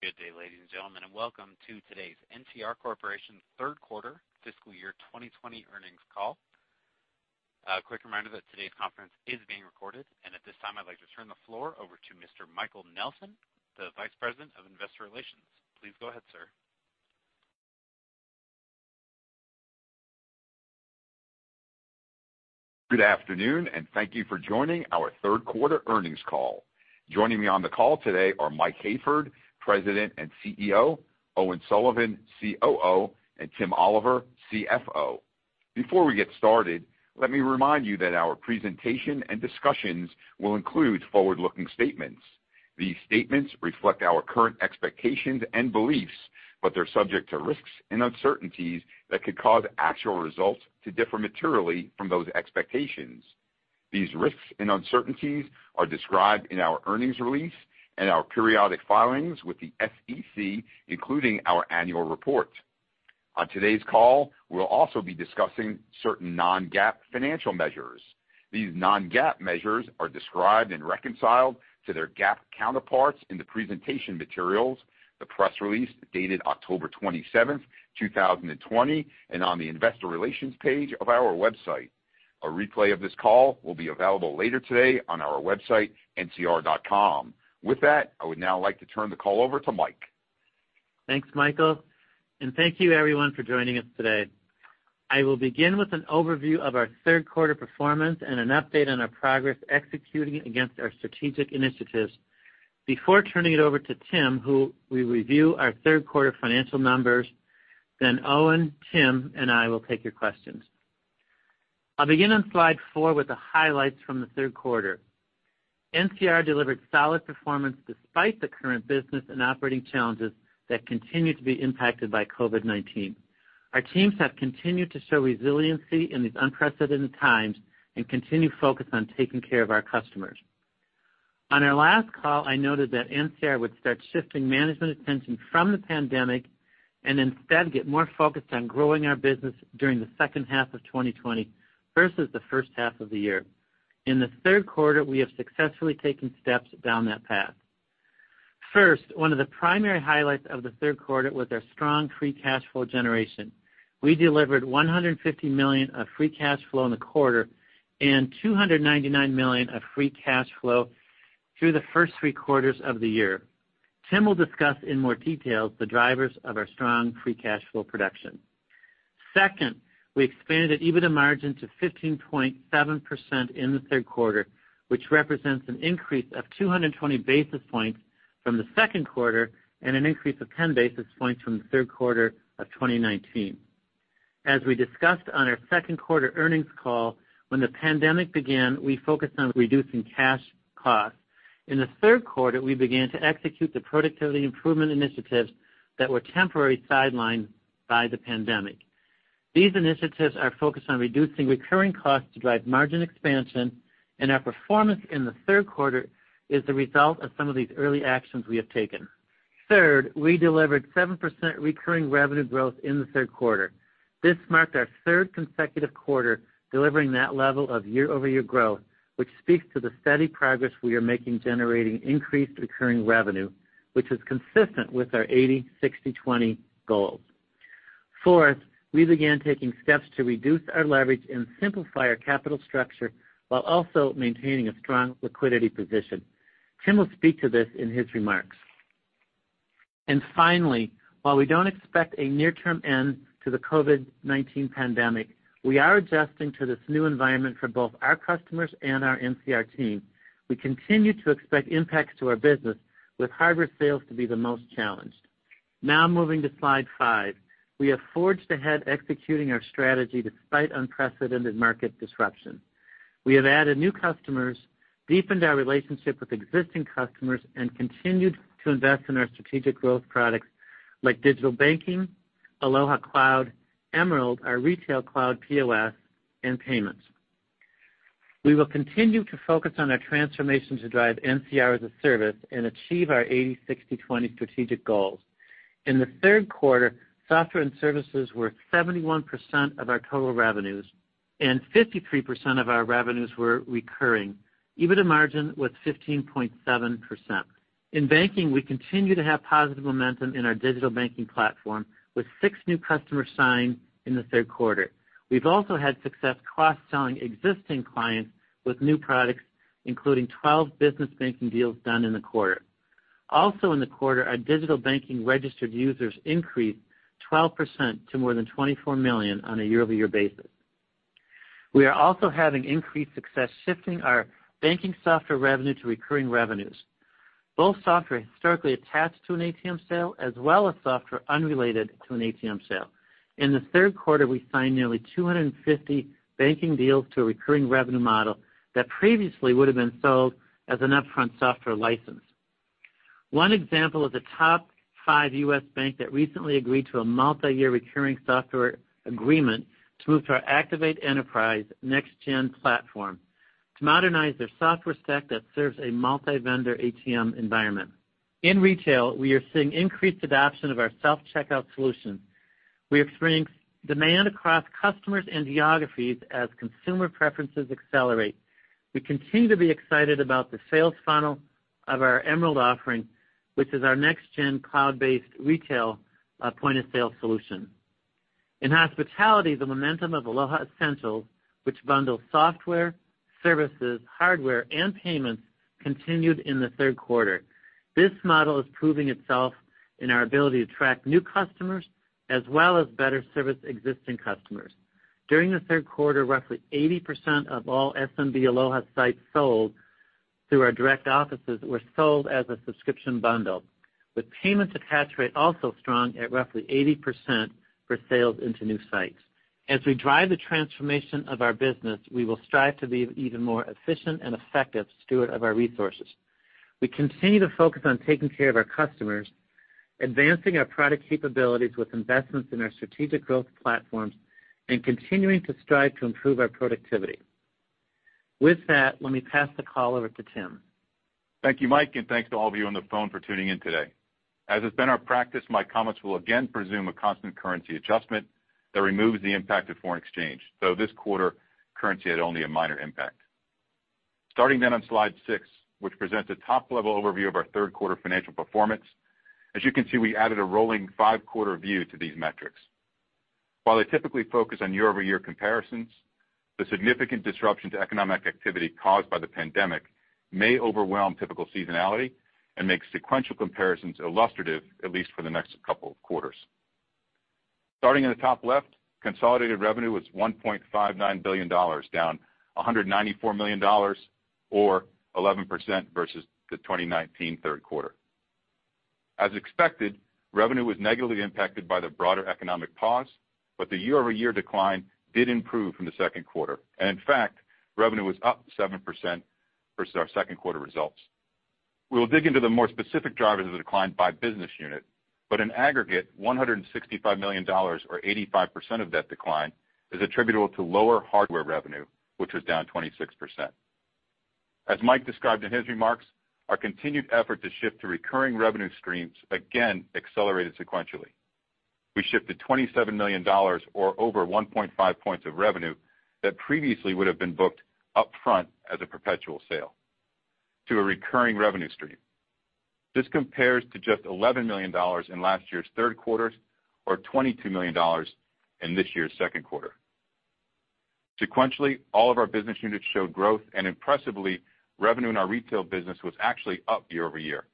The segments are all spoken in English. Good day, ladies and gentlemen, welcome to today's NCR Corporation third quarter fiscal year 2020 earnings call. A quick reminder that today's conference is being recorded. At this time, I'd like to turn the floor over to Mr. Michael Nelson, the Vice President of Investor Relations. Please go ahead, sir. Good afternoon, and thank you for joining our third quarter earnings call. Joining me on the call today are Mike Hayford, President and CEO, Owen Sullivan, COO, and Tim Oliver, CFO. Before we get started, let me remind you that our presentation and discussions will include forward-looking statements. These statements reflect our current expectations and beliefs, but they're subject to risks and uncertainties that could cause actual results to differ materially from those expectations. These risks and uncertainties are described in our earnings release and our periodic filings with the SEC, including our annual report. On today's call, we'll also be discussing certain non-GAAP financial measures. These non-GAAP measures are described and reconciled to their GAAP counterparts in the presentation materials, the press release dated October 27th, 2020, and on the investor relations page of our website. A replay of this call will be available later today on our website, ncr.com. With that, I would now like to turn the call over to Mike. Thanks, Michael, and thank you, everyone, for joining us today. I will begin with an overview of our third quarter performance and an update on our progress executing against our strategic initiatives before turning it over to Tim, who will review our third quarter financial numbers. Owen, Tim, and I will take your questions. I'll begin on slide four with the highlights from the third quarter. NCR delivered solid performance despite the current business and operating challenges that continue to be impacted by COVID-19. Our teams have continued to show resiliency in these unprecedented times and continue focus on taking care of our customers. On our last call, I noted that NCR would start shifting management attention from the pandemic and instead get more focused on growing our business during the second half of 2020 versus the first half of the year. In the third quarter, we have successfully taken steps down that path. First, one of the primary highlights of the third quarter was our strong free cash flow generation. We delivered $150 million of free cash flow in the quarter and $299 million of free cash flow through the first three quarters of the year. Tim will discuss in more detail the drivers of our strong free cash flow production. Second, we expanded EBITDA margin to 15.7% in the third quarter, which represents an increase of 220 basis points from the second quarter and an increase of 10 basis points from the third quarter of 2019. As we discussed on our second quarter earnings call, when the pandemic began, we focused on reducing cash costs. In the third quarter, we began to execute the productivity improvement initiatives that were temporarily sidelined by the pandemic. These initiatives are focused on reducing recurring costs to drive margin expansion. Our performance in the third quarter is the result of some of these early actions we have taken. Third, we delivered 7% recurring revenue growth in the third quarter. This marked our third consecutive quarter delivering that level of year-over-year growth, which speaks to the steady progress we are making generating increased recurring revenue, which is consistent with our 80/60/20 goal. Fourth, we began taking steps to reduce our leverage and simplify our capital structure while also maintaining a strong liquidity position. Tim will speak to this in his remarks. Finally, while we don't expect a near-term end to the COVID-19 pandemic, we are adjusting to this new environment for both our customers and our NCR team. We continue to expect impacts to our business, with hardware sales to be the most challenged. Now moving to slide five. We have forged ahead executing our strategy despite unprecedented market disruption. We have added new customers, deepened our relationship with existing customers, and continued to invest in our strategic growth products like Digital Banking, Aloha Cloud, Emerald, our retail cloud POS, and payments. We will continue to focus on our transformation to drive NCR as a Service and achieve our 80/60/20 strategic goals. In the third quarter, software and services were 71% of our total revenues, and 53% of our revenues were recurring. EBITDA margin was 15.7%. In banking, we continue to have positive momentum in our Digital Banking platform, with six new customers signed in the third quarter. We've also had success cross-selling existing clients with new products, including 12 business banking deals done in the quarter. Also in the quarter, our Digital Banking registered users increased 12% to more than 24 million on a year-over-year basis. We are also having increased success shifting our banking software revenue to recurring revenues, both software historically attached to an ATM sale as well as software unrelated to an ATM sale. In the third quarter, we signed nearly 250 banking deals to a recurring revenue model that previously would have been sold as an upfront software license. One example is a top-five U.S. bank that recently agreed to a multiyear recurring software agreement to move to our Activate Enterprise NextGen platform to modernize their software stack that serves a multi-vendor ATM environment. In retail, we are seeing increased adoption of our self-checkout solution. We experienced demand across customers and geographies as consumer preferences accelerate. We continue to be excited about the sales funnel of our Emerald offering, which is our next-gen cloud-based retail point-of-sale solution. In hospitality, the momentum of Aloha Essentials, which bundles software, services, hardware, and payments, continued in the third quarter. This model is proving itself in our ability to attract new customers as well as better service existing customers. During the third quarter, roughly 80% of all SMB Aloha sites sold through our direct offices were sold as a subscription bundle, with payment attach rate also strong at roughly 80% for sales into new sites. As we drive the transformation of our business, we will strive to be even more efficient and effective steward of our resources. We continue to focus on taking care of our customers, advancing our product capabilities with investments in our strategic growth platforms, and continuing to strive to improve our productivity. With that, let me pass the call over to Tim. Thank you, Mike, and thanks to all of you on the phone for tuning in today. As has been our practice, my comments will again presume a constant currency adjustment that removes the impact of foreign exchange, though this quarter currency had only a minor impact. On slide six, which presents a top-level overview of our third quarter financial performance. As you can see, we added a rolling five-quarter view to these metrics. While they typically focus on year-over-year comparisons, the significant disruption to economic activity caused by the pandemic may overwhelm typical seasonality and make sequential comparisons illustrative, at least for the next couple of quarters. Starting in the top left, consolidated revenue was $1.59 billion, down $194 million or 11% versus the 2019 third quarter. As expected, revenue was negatively impacted by the broader economic pause, the year-over-year decline did improve from the second quarter. In fact, revenue was up 7% versus our second quarter results. We will dig into the more specific drivers of the decline by business unit, but in aggregate, $165 million or 85% of that decline is attributable to lower hardware revenue, which was down 26%. As Mike described in his remarks, our continued effort to shift to recurring revenue streams again accelerated sequentially. We shifted $27 million or over 1.5 points of revenue that previously would have been booked upfront as a perpetual sale to a recurring revenue stream. This compares to just $11 million in last year's third quarter or $22 million in this year's second quarter. Sequentially, all of our business units showed growth, and impressively, revenue in our retail business was actually up year-over-year.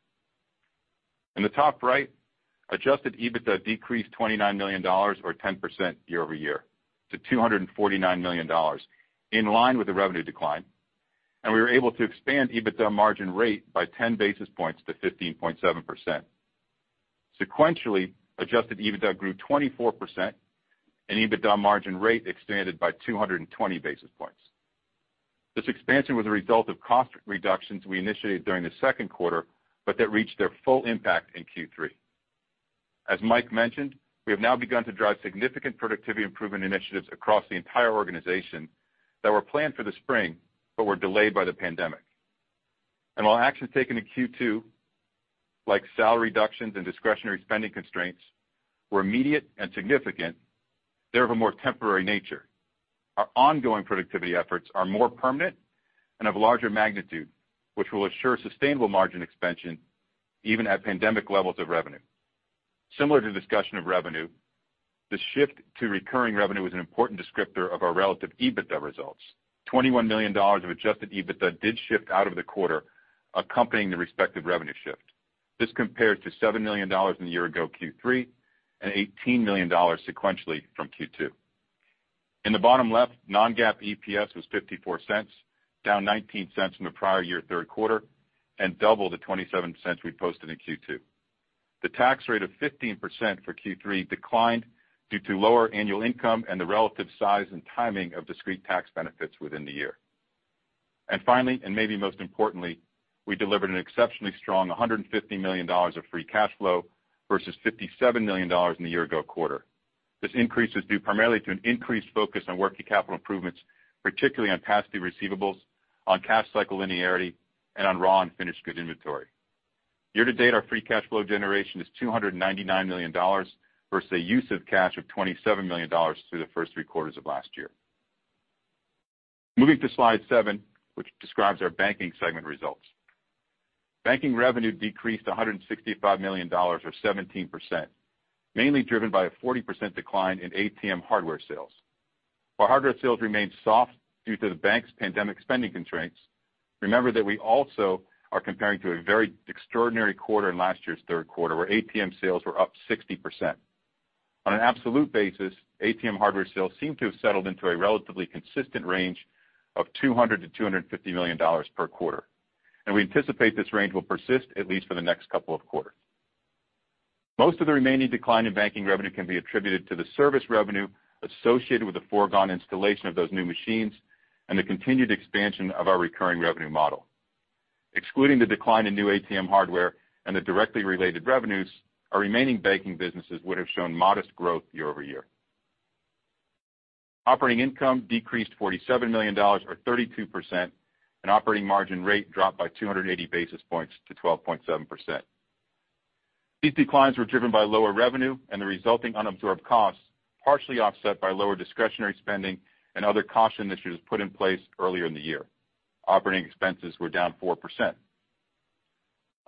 In the top right, adjusted EBITDA decreased $29 million or 10% year-over-year to $249 million, in line with the revenue decline, and we were able to expand EBITDA margin rate by 10 basis points to 15.7%. Sequentially, adjusted EBITDA grew 24%, and EBITDA margin rate expanded by 220 basis points. This expansion was a result of cost reductions we initiated during the second quarter, but that reached their full impact in Q3. As Mike mentioned, we have now begun to drive significant productivity improvement initiatives across the entire organization that were planned for the spring but were delayed by the pandemic. While actions taken in Q2, like salary reductions and discretionary spending constraints, were immediate and significant, they're of a more temporary nature. Our ongoing productivity efforts are more permanent and of larger magnitude, which will assure sustainable margin expansion even at pandemic levels of revenue. Similar to discussion of revenue, the shift to recurring revenue is an important descriptor of our relative EBITDA results. $21 million of adjusted EBITDA did shift out of the quarter accompanying the respective revenue shift. This compared to $7 million in the year-ago Q3 and $18 million sequentially from Q2. In the bottom left, non-GAAP EPS was $0.54, down $0.19 from the prior-year third quarter and double the $0.27 we posted in Q2. The tax rate of 15% for Q3 declined due to lower annual income and the relative size and timing of discrete tax benefits within the year. Finally, and maybe most importantly, we delivered an exceptionally strong $150 million of free cash flow versus $57 million in the year-ago quarter. This increase is due primarily to an increased focus on working capital improvements, particularly on past due receivables, on cash cycle linearity, and on raw and finished goods inventory. Year to date, our free cash flow generation is $299 million versus a use of cash of $27 million through the first three quarters of last year. Moving to slide seven, which describes our banking segment results. Banking revenue decreased $165 million or 17%, mainly driven by a 40% decline in ATM hardware sales. While hardware sales remained soft due to the bank's pandemic spending constraints, remember that we also are comparing to a very extraordinary quarter in last year's third quarter, where ATM sales were up 60%. On an absolute basis, ATM hardware sales seem to have settled into a relatively consistent range of $200 million-$250 million per quarter, and we anticipate this range will persist at least for the next couple of quarters. Most of the remaining decline in banking revenue can be attributed to the service revenue associated with the foregone installation of those new machines and the continued expansion of our recurring revenue model. Excluding the decline in new ATM hardware and the directly related revenues, our remaining banking businesses would have shown modest growth year-over-year. Operating income decreased $47 million or 32%, and operating margin rate dropped by 280 basis points to 12.7%. These declines were driven by lower revenue and the resulting unabsorbed costs, partially offset by lower discretionary spending and other caution initiatives put in place earlier in the year. Operating expenses were down 4%.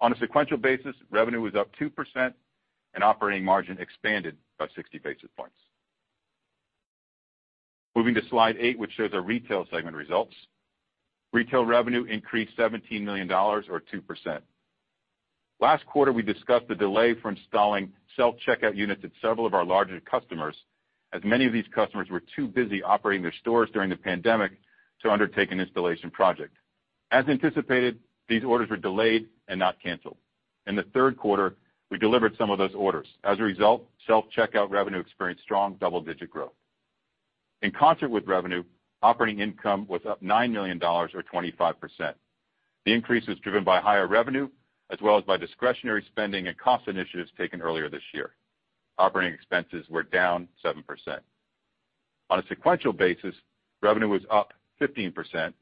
On a sequential basis, revenue was up 2% and operating margin expanded by 60 basis points. Moving to slide eight, which shows our retail segment results. Retail revenue increased $17 million or 2%. Last quarter, we discussed the delay for installing self-checkout units at several of our larger customers, as many of these customers were too busy operating their stores during the pandemic to undertake an installation project. As anticipated, these orders were delayed and not canceled. In the third quarter, we delivered some of those orders. As a result, self-checkout revenue experienced strong double-digit growth. In concert with revenue, operating income was up $9 million or 25%. The increase was driven by higher revenue, as well as by discretionary spending and cost initiatives taken earlier this year. Operating expenses were down 7%. On a sequential basis, revenue was up 15%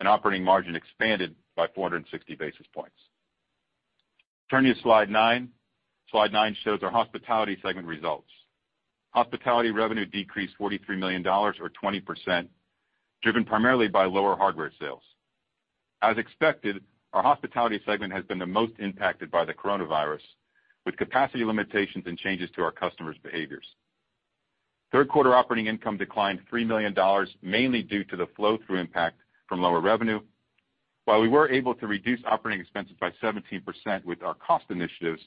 and operating margin expanded by 460 basis points. Turning to slide nine. Slide nine shows our hospitality segment results. Hospitality revenue decreased $43 million or 20%, driven primarily by lower hardware sales. As expected, our hospitality segment has been the most impacted by the coronavirus, with capacity limitations and changes to our customers' behaviors. Third quarter operating income declined $3 million, mainly due to the flow-through impact from lower revenue. While we were able to reduce operating expenses by 17% with our cost initiatives,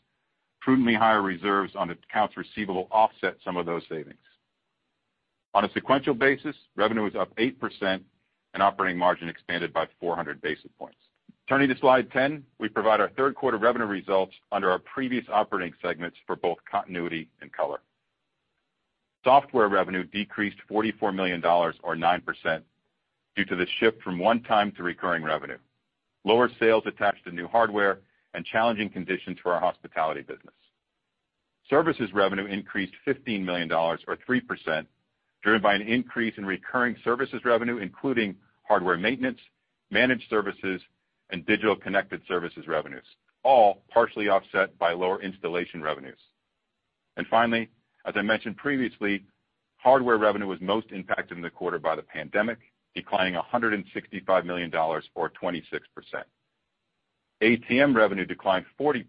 prudently higher reserves on accounts receivable offset some of those savings. On a sequential basis, revenue was up 8% and operating margin expanded by 400 basis points. Turning to slide 10, we provide our third quarter revenue results under our previous operating segments for both continuity and color. Software revenue decreased $44 million or 9% due to the shift from one-time to recurring revenue, lower sales attached to new hardware, and challenging conditions for our Hospitality business. Services revenue increased $15 million or 3%, driven by an increase in recurring services revenue, including hardware maintenance, managed services, and Digital Connected Services revenues, all partially offset by lower installation revenues. Finally, as I mentioned previously, hardware revenue was most impacted in the quarter by the pandemic, declining $165 million or 26%. ATM revenue declined 40%,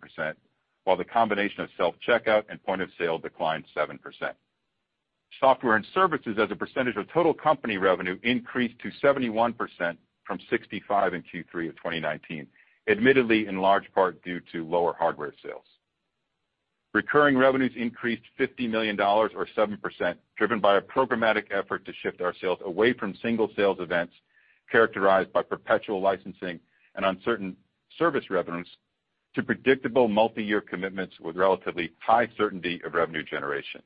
while the combination of self-checkout and point-of-sale declined 7%. Software and services as a percentage of total company revenue increased to 71% from 65% in Q3 of 2019, admittedly in large part due to lower hardware sales. Recurring revenues increased $50 million or 7%, driven by a programmatic effort to shift our sales away from single sales events characterized by perpetual licensing and uncertain service revenues to predictable multi-year commitments with relatively high certainty of revenue generation.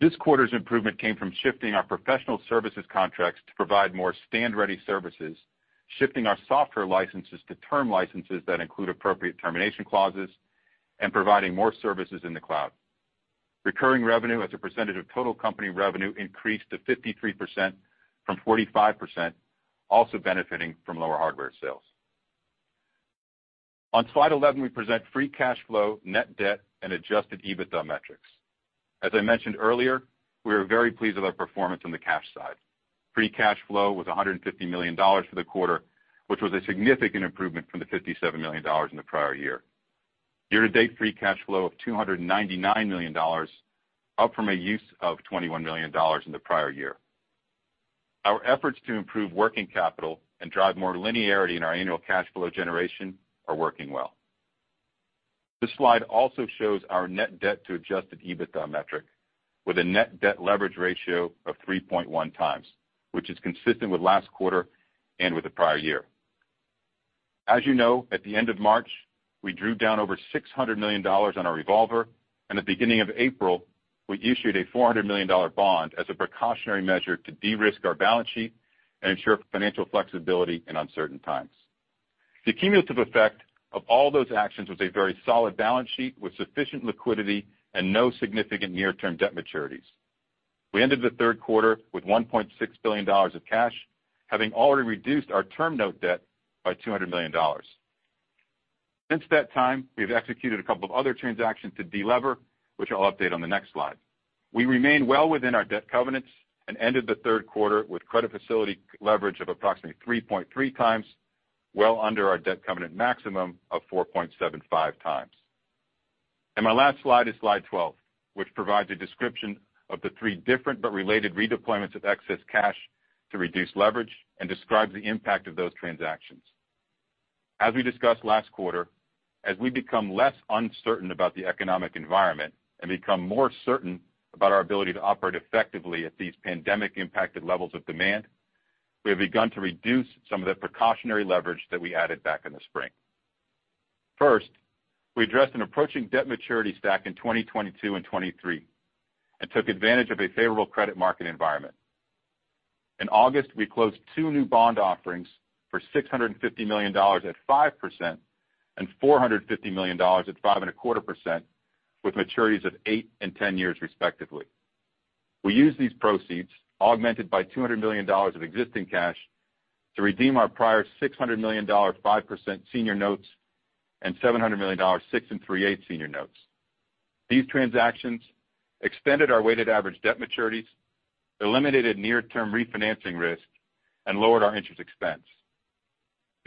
This quarter's improvement came from shifting our professional services contracts to provide more stand-ready services, shifting our software licenses to term licenses that include appropriate termination clauses, and providing more services in the cloud. Recurring revenue as a percentage of total company revenue increased to 53% from 45%, also benefiting from lower hardware sales. On slide 11, we present free cash flow, net debt, and adjusted EBITDA metrics. As I mentioned earlier, we are very pleased with our performance on the cash side. Free cash flow was $150 million for the quarter, which was a significant improvement from the $57 million in the prior year. Year-to-date free cash flow of $299 million, up from a use of $21 million in the prior year. Our efforts to improve working capital and drive more linearity in our annual cash flow generation are working well. This slide also shows our net debt to adjusted EBITDA metric with a net debt leverage ratio of 3.1x, which is consistent with last quarter and with the prior year. As you know, at the end of March, we drew down over $600 million on our revolver, and at the beginning of April, we issued a $400 million bond as a precautionary measure to de-risk our balance sheet and ensure financial flexibility in uncertain times. The cumulative effect of all those actions was a very solid balance sheet with sufficient liquidity and no significant near-term debt maturities. We ended the third quarter with $1.6 billion of cash, having already reduced our term note debt by $200 million. Since that time, we've executed a couple of other transactions to de-lever, which I'll update on the next slide. We remain well within our debt covenants and ended the third quarter with credit facility leverage of approximately 3.3x, well under our debt covenant maximum of 4.75x. My last slide is slide 12, which provides a description of the three different but related redeployments of excess cash to reduce leverage and describes the impact of those transactions. As we discussed last quarter, as we become less uncertain about the economic environment and become more certain about our ability to operate effectively at these pandemic-impacted levels of demand, we have begun to reduce some of the precautionary leverage that we added back in the spring. First, we addressed an approaching debt maturity stack in 2022 and 2023 and took advantage of a favorable credit market environment. In August, we closed two new bond offerings for $650 million at 5% and $450 million at 5.25%, with maturities of eight and 10 years respectively. We use these proceeds, augmented by $200 million of existing cash, to redeem our prior $600 million 5% senior notes and $700 million 6.375 senior notes. These transactions extended our weighted average debt maturities, eliminated near-term refinancing risk, and lowered our interest expense.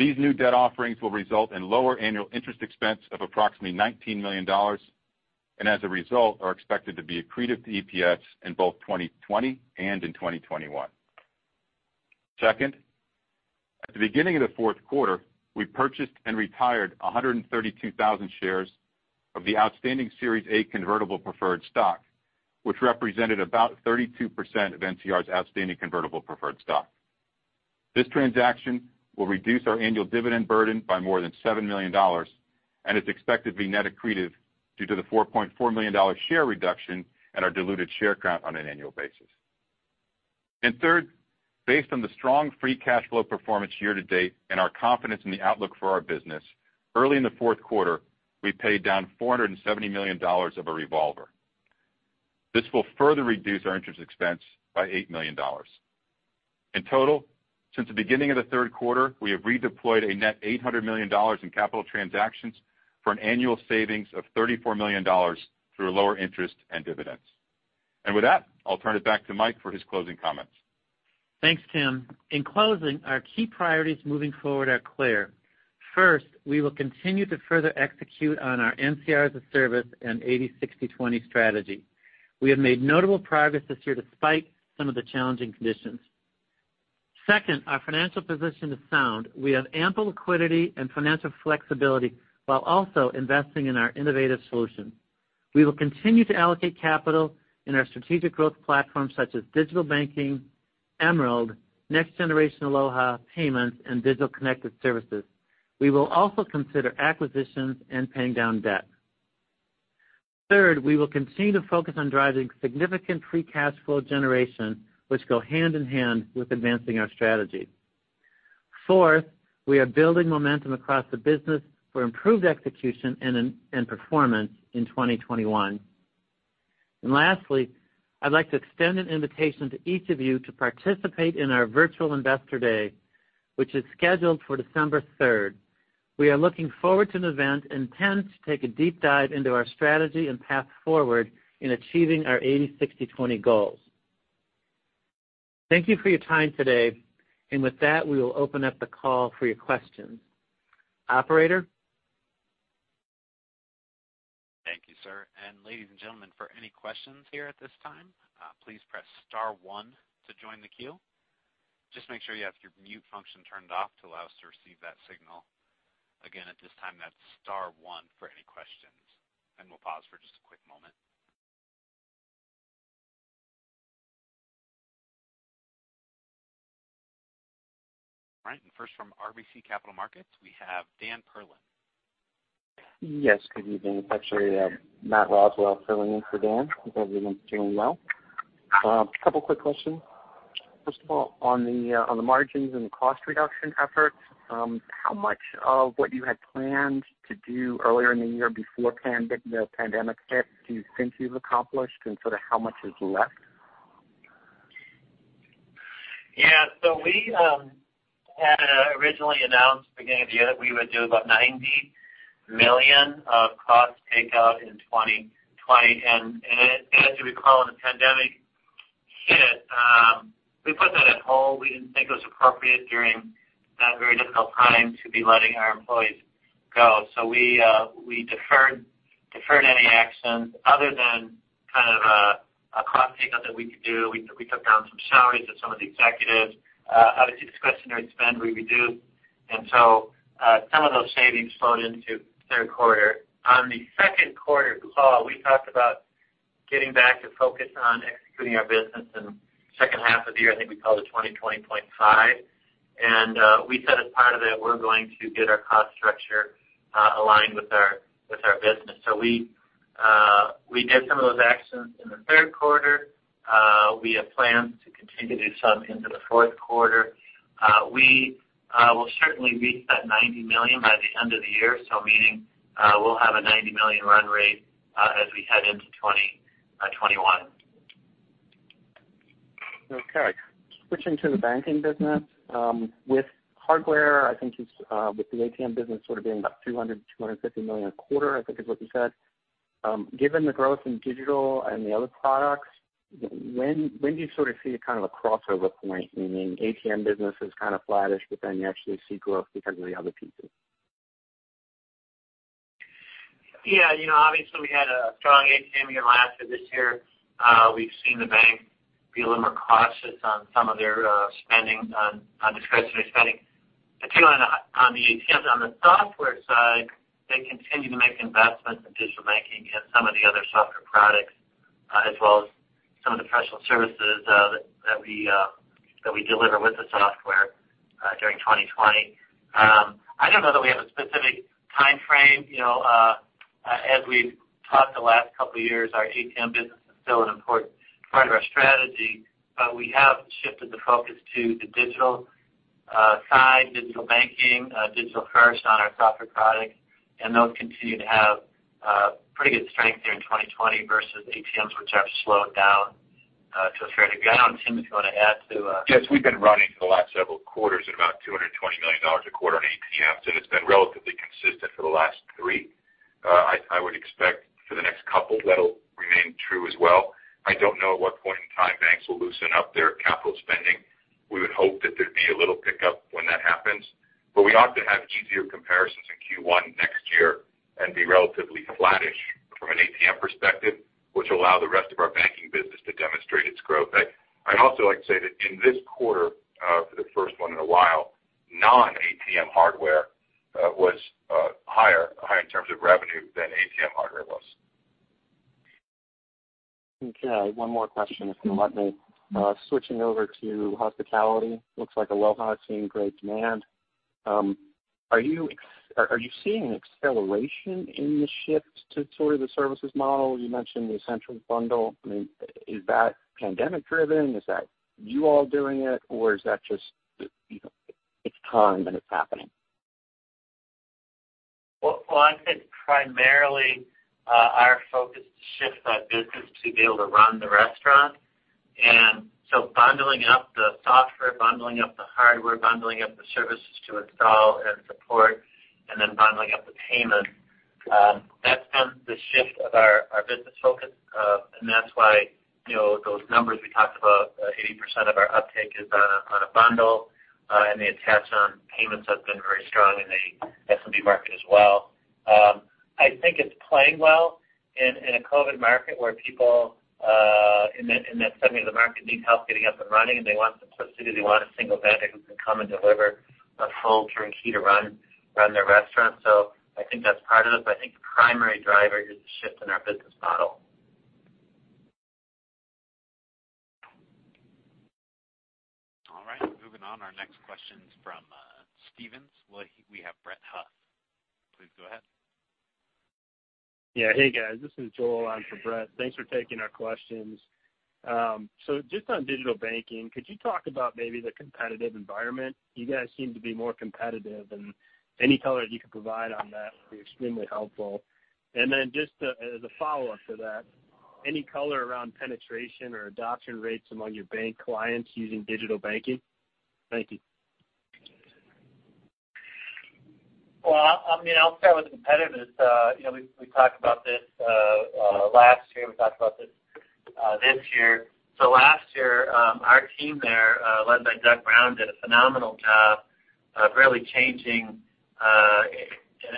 These new debt offerings will result in lower annual interest expense of approximately $19 million, and as a result, are expected to be accretive to EPS in both 2020 and in 2021. Second, at the beginning of the fourth quarter, we purchased and retired 132,000 shares of the outstanding Series A convertible preferred stock, which represented about 32% of NCR's outstanding convertible preferred stock. This transaction will reduce our annual dividend burden by more than $7 million and is expected to be net accretive due to the $4.4 million share reduction and our diluted share count on an annual basis. Third, based on the strong free cash flow performance year to date and our confidence in the outlook for our business, early in the fourth quarter, we paid down $470 million of a revolver. This will further reduce our interest expense by $8 million. In total, since the beginning of the third quarter, we have redeployed a net $800 million in capital transactions for an annual savings of $34 million through lower interest and dividends. With that, I'll turn it back to Mike for his closing comments. Thanks, Tim. In closing, our key priorities moving forward are clear. First, we will continue to further execute on our NCR as a Service and 80/60/20 strategy. We have made notable progress this year despite some of the challenging conditions. Second, our financial position is sound. We have ample liquidity and financial flexibility while also investing in our innovative solutions. We will continue to allocate capital in our strategic growth platforms such as Digital Banking, Emerald, next generation Aloha, payments, and Digital Connected Services. We will also consider acquisitions and paying down debt. Third, we will continue to focus on driving significant free cash flow generation, which go hand in hand with advancing our strategy. Fourth, we are building momentum across the business for improved execution and performance in 2021. Lastly, I'd like to extend an invitation to each of you to participate in our virtual Investor Day, which is scheduled for December 3rd. We are looking forward to an event, intent to take a deep dive into our strategy and path forward in achieving our 80/60/20 goals. Thank you for your time today. With that, we will open up the call for your questions. Operator? Thank you, sir. Ladies and gentlemen, for any questions here at this time, please press star one to join the queue. Just make sure you have your mute function turned off to allow us to receive that signal. Again, at this time, that's star one for any questions, and we'll pause for just a quick moment. All right, first from RBC Capital Markets, we have Dan Perlin. Yes, good evening. It is actually Matt Roswell filling in for Dan. Hope everyone is doing well. Couple quick questions. First of all, on the margins and cost reduction efforts, how much of what you had planned to do earlier in the year before the pandemic hit do you think you have accomplished, and sort of how much is left? We had originally announced beginning of the year that we would do about $90 million of cost takeout in 2020. As you recall, when the pandemic hit, we put that on hold. We didn't think it was appropriate during that very difficult time to be letting our employees go. We deferred any actions other than a cost takeout that we could do. We took down some salaries of some of the executives. Obviously, discretionary spend we reduced. Some of those savings flowed into third quarter. On the second quarter call, we talked about getting back to focus on executing our business in the second half of the year. I think we called it 2020.5, and we said as part of it, we're going to get our cost structure aligned with our business. We did some of those actions in the third quarter. We have plans to continue to do some into the fourth quarter. We will certainly reach that $90 million by the end of the year, meaning we'll have a $90 million run rate as we head into 2021. Switching to the banking business. With hardware, I think with the ATM business sort of being about $200, $250 million a quarter, I think is what you said. Given the growth in digital and the other products, when do you see a kind of a crossover point, meaning ATM business is kind of flattish, but then you actually see growth because of the other pieces? Yeah. Obviously, we had a strong ATM year last year. This year, we've seen the bank be a little more cautious on some of their discretionary spending, particularly on the ATMs. On the software side, they continue to make investments in Digital Banking and some of the other software products as well as some of the professional services that we deliver with the software during 2020.5. As we've talked the last couple of years, our ATM business is still an important part of our strategy, but we have shifted the focus to the digital side, Digital Banking, digital first on our software products. Those continue to have pretty good strength here in 2020 versus ATMs, which have slowed down to a fair degree. I don't know, Tim, if you want to add to- Yes, we've been running for the last several quarters at about $220 million a quarter on ATMs. It's been relatively consistent for the last three. I would expect for the next couple, that'll remain true as well. I don't know at what point in time banks will loosen up their capital spending. We would hope that there'd be a little pickup when that happens. We ought to have easier comparisons in Q1 next year and be relatively flattish from an ATM perspective, which will allow the rest of our banking business to demonstrate its growth. I'd also like to say that in this quarter, for the first one in a while, non-ATM hardware was higher in terms of revenue than ATM hardware was. One more question, if you'll let me. Switching over to hospitality, looks like Aloha is seeing great demand. Are you seeing an acceleration in the shift to the services model? You mentioned the Essentials Bundle. Is that pandemic-driven? Is that you all doing it, or is that just it's time and it's happening? Well, I think primarily our focus to shift that business to be able to run the restaurant. Bundling up the software, bundling up the hardware, bundling up the services to install and support, and then bundling up the payment. That's been the shift of our business focus. That's why those numbers we talked about, 80% of our uptake is on a bundle, and the attach on payments has been very strong in the SMB market as well. I think it's playing well in a COVID market where people in that segment of the market need help getting up and running, and they want simplicity, they want a single vendor who can come and deliver a full turnkey to run their restaurant. I think that's part of it, but I think the primary driver is the shift in our business model. All right, moving on. Our next question is from Stephens. We have Brett Huff. Please go ahead. Yeah. Hey, guys, this is Joel in for Brett. Thanks for taking our questions. Just on Digital Banking, could you talk about maybe the competitive environment? You guys seem to be more competitive, and any color that you could provide on that would be extremely helpful. Just as a follow-up to that, any color around penetration or adoption rates among your bank clients using Digital Banking? Thank you. Well, I'll start with the competitiveness. We talked about this last year, we talked about this this year. Last year, our team there led by Doug Brown, did a phenomenal job of really changing,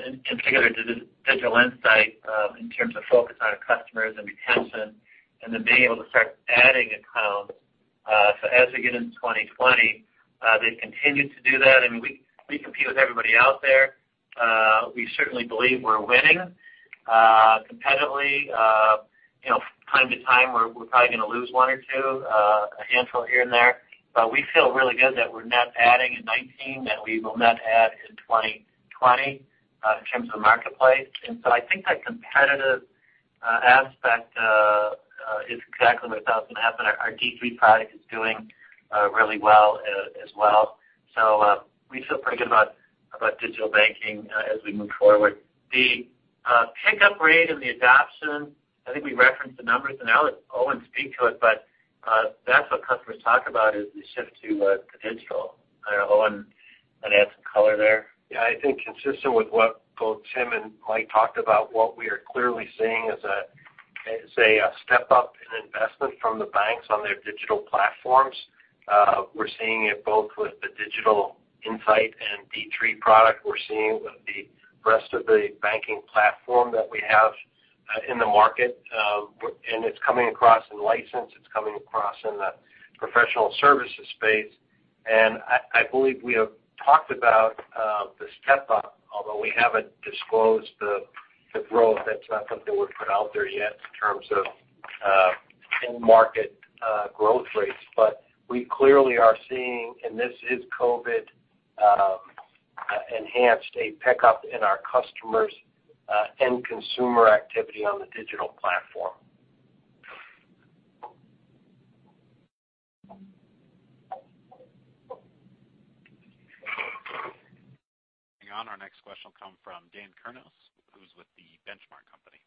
in particular, the Digital Insight in terms of focus on our customers and retention and then being able to start adding accounts. As we get into 2020, they've continued to do that. We compete with everybody out there. We certainly believe we're winning competitively. From time to time, we're probably going to lose one or two, a handful here and there. We feel really good that we're net adding in 2019, that we will net add in 2020 in terms of the marketplace. I think that competitive aspect is exactly what's going to happen. Our D3 product is doing really well as well. We feel pretty good about Digital Banking as we move forward. The pickup rate and the adoption, I think we referenced the numbers, and I'll let Owen speak to it, but that's what customers talk about is the shift to digital. I don't know, Owen, want to add some color there? Yeah, I think consistent with what both Tim and Mike talked about, what we are clearly seeing is a step-up in investment from the banks on their digital platforms. We're seeing it both with the Digital Insight and D3 product. We're seeing it with the rest of the banking platform that we have in the market. It's coming across in license, it's coming across in the professional services space. I believe we have talked about the step-up, although we haven't disclosed the growth. That's not something we've put out there yet in terms of end market growth rates. We clearly are seeing, and this is COVID-enhanced, a pickup in our customers' end consumer activity on the digital platform. Hang on. Our next question will come from Dan Kurnos, who's with The Benchmark Company.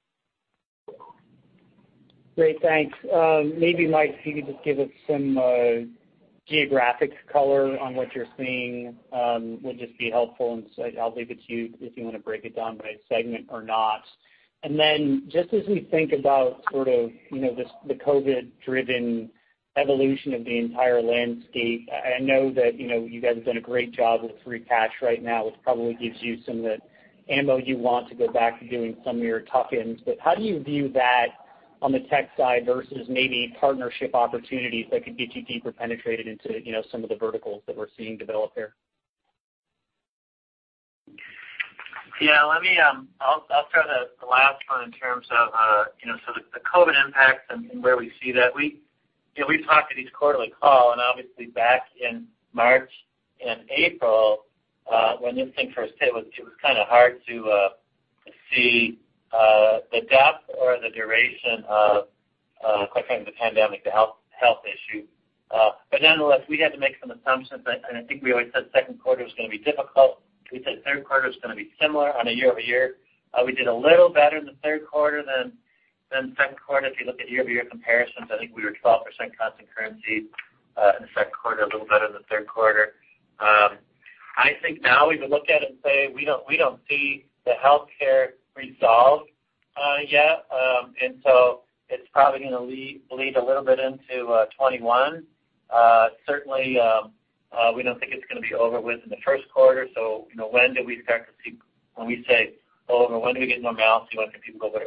Great, thanks. Maybe, Mike, if you could just give us some geographic color on what you're seeing would just be helpful. I'll leave it to you if you want to break it down by segment or not. Just as we think about sort of the COVID-driven evolution of the entire landscape, I know that you guys have done a great job with free cash right now, which probably gives you some of the ammo you want to go back to doing some of your tuck-ins. How do you view that on the tech side versus maybe partnership opportunities that could get you deeper penetrated into some of the verticals that we're seeing develop there? Yeah. I'll start the last one in terms of the COVID impact and where we see that. We talk to these quarterly call. Obviously, back in March and April, when this thing first hit, it was kind of hard to see the depth or the duration of, quite frankly, the pandemic, the health issue. Nonetheless, we had to make some assumptions, and I think we always said second quarter was going to be difficult. We said third quarter was going to be similar on a year-over-year. We did a little better in the third quarter than second quarter. If you look at year-over-year comparisons, I think we were 12% constant currency in the second quarter, a little better in the third quarter. I think now we would look at it and say we don't see the healthcare resolved yet. It's probably going to bleed a little bit into 2021. Certainly, we don't think it's going to be over with in the first quarter. When do we say over, when do we get normalcy? When can people go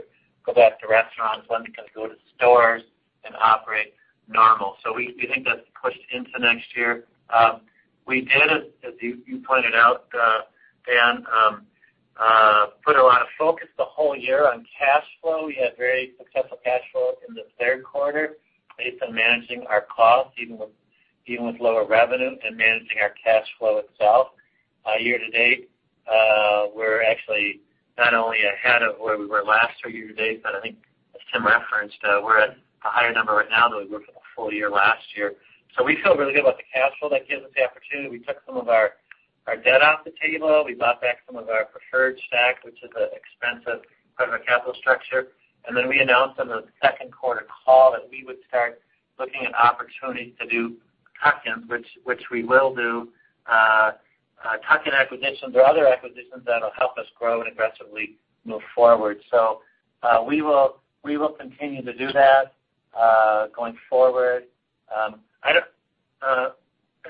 back to restaurants, when they can go to stores and operate normal? We think that's pushed into next year. We did, as you pointed out, Dan, put a lot of focus the whole year on cash flow. We had very successful cash flow in the third quarter based on managing our costs, even with lower revenue and managing our cash flow itself. Year to date, we're actually not only ahead of where we were last year to date, but I think as Tim referenced, we're at a higher number right now than we were for the full year last year. We feel really good about the cash flow. That gives us the opportunity. We took some of our debt off the table. We bought back some of our preferred stock, which is an expensive part of our capital structure. Then we announced on the second quarter call that we would start looking at opportunities to do tuck-ins, which we will do, tuck-in acquisitions or other acquisitions that'll help us grow and aggressively move forward. We will continue to do that going forward.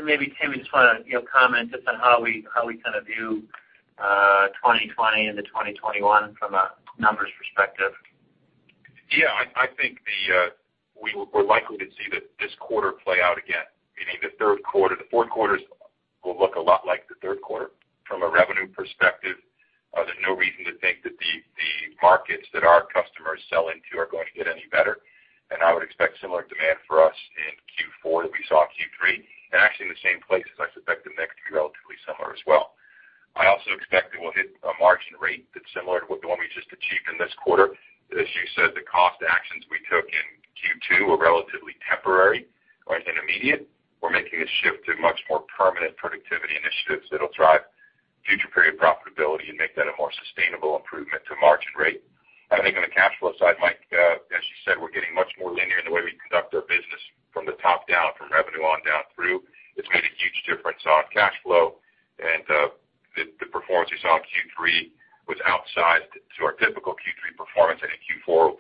Maybe Tim, you just want to comment just on how we kind of view 2020 into 2021 from a numbers perspective. I think we're likely to see this quarter play out again, meaning the third quarter. The fourth quarter will look a lot like the third quarter from a revenue perspective. There's no reason to think that the markets that our customers sell into are going to get any better. I would expect similar demand for us in Q4 that we saw in Q3, and actually in the same places, I suspect the mix to be relatively similar as well. I also expect that we'll hit a margin rate that's similar to the one we just achieved in this quarter. As you said, the cost actions we took in Q2 were relatively temporary or intermediate. We're making a shift to much more permanent productivity initiatives that'll drive future period profitability and make that a more sustainable improvement to margin rate. I think on the cash flow side, Mike, as you said, we're getting much more linear in the way we conduct our business from the top down, from revenue on down through. It's made a huge difference on cash flow. The performance we saw in Q3 was outsized to our typical Q3 performance. I think Q4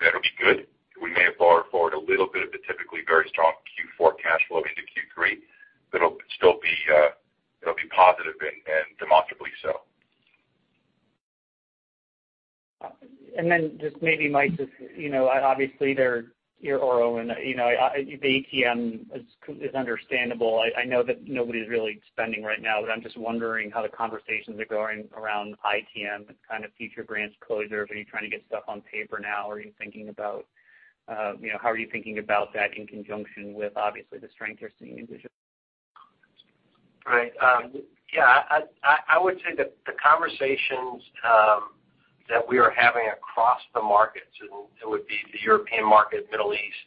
that'll be good. We may have borrowed forward a little bit of the typically very strong Q4 cash flow into Q3, it'll be positive and demonstrably so. Just maybe Mike, just obviously your outlook and the ATM is understandable. I know that nobody's really spending right now, but I'm just wondering how the conversations are going around ITM and kind of future branch closures. Are you trying to get stuff on paper now? How are you thinking about that in conjunction with obviously the strength you're seeing in digital? Right. Yeah, I would say that the conversations that we are having across the markets, and it would be the European market, Middle East,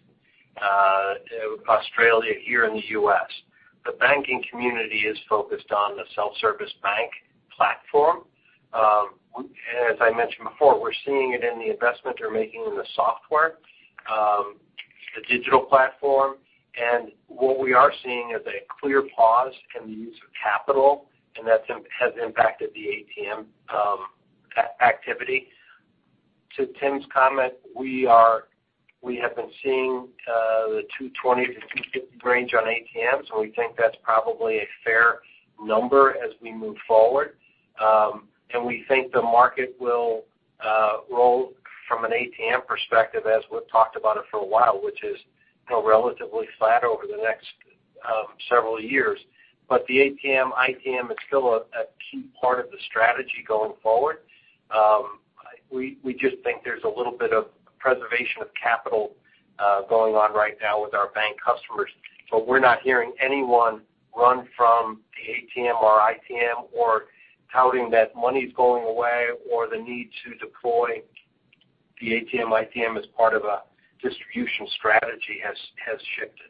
Australia, here in the U.S., the banking community is focused on the self-service bank platform. As I mentioned before, we're seeing it in the investment they're making in the software, the digital platform. What we are seeing is a clear pause in the use of capital, and that has impacted the ATM activity. To Tim's comment, we have been seeing the 220-250 range on ATMs, and we think that's probably a fair number as we move forward. We think the market will roll from an ATM perspective as we've talked about it for a while, which is relatively flat over the next several years. The ATM, ITM is still a key part of the strategy going forward. We just think there's a little bit of preservation of capital going on right now with our bank customers, but we're not hearing anyone run from the ATM or ITM or touting that money's going away or the need to deploy the ATM, ITM as part of a distribution strategy has shifted.